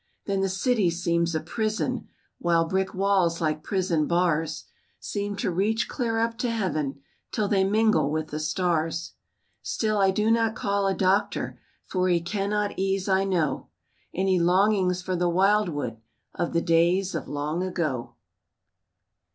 Then the city seems a prison, While brick walls like prison bars, Seem to reach clear up to heaven, Till they mingle with the stars. Still I do not call a doctor, For he cannot ease, I know, Any longings for the wildwood Of the days of long ago.